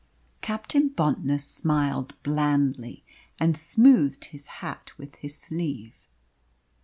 Captain Bontnor smiled blandly, and smoothed his hat with his sleeve.